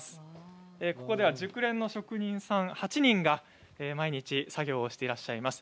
ここでは熟練の職人さん８人が毎日作業をしていらっしゃいます。